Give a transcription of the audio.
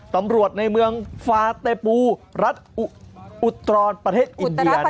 ตำรวจในเมืองฟาเตปูรัฐอุตรานประเทศอินเดีย